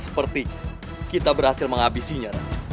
seperti kita berhasil menghabisinya